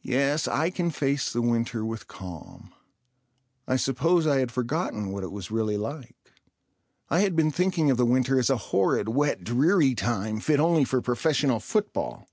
Yes, I can face the winter with calm. I suppose I had forgotten what it was really like. I had been thinking of the winter as a horrid wet, dreary time fit only for professional football.